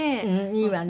いいわね。